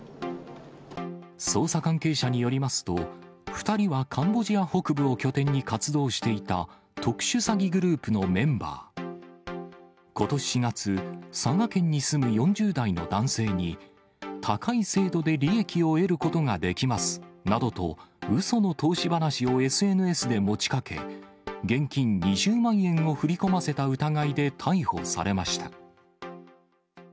捜査関係者によりますと、２人はカンボジア北部を拠点に活動していた特殊詐欺グループのメンバー。ことし４月、佐賀県に住む４０代の男性に、高い精度で利益を得ることができますなどと、うその投資話をＳＮＳで持ちかけ、現金２０万円を振り込ませた疑いで逮捕されました。